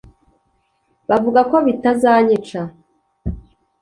bavuga ko bitazanyica,